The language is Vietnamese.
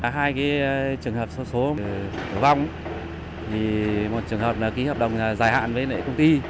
hai trường hợp số vong một trường hợp ký hợp đồng dài hạn với công ty